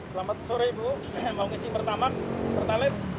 selamat sore ibu mau ngisi pertama pertalat